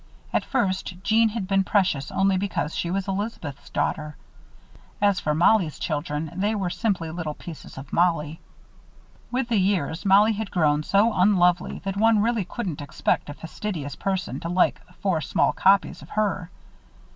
At first, Jeanne had been precious only because she was Elizabeth's daughter. As for Mollie's children, they were simply little pieces of Mollie. With the years, Mollie had grown so unlovely that one really couldn't expect a fastidious person to like four small copies of her.